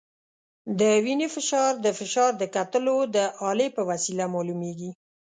د وینې فشار د فشار د کتلو د الې په وسیله معلومېږي.